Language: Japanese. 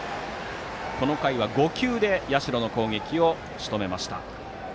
この回は５球で社の攻撃をしとめました。